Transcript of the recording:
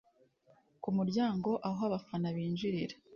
Ku muryango aho abafana binjiriraga